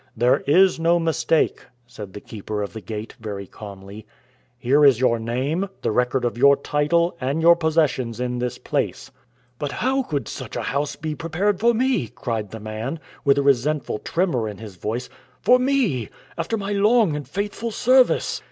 "There is no mistake," said the Keeper of the Gate, very calmly; "here is your name, the record of your title and your possessions in this place." "But how could such a house be prepared for me," cried the man, with a resentful tremor in his voice "for me, after my long and faithful service?